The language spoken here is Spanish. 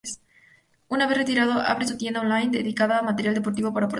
Una vez retirado, abre una tienda 'on line' dedicada a material deportivo para porteros.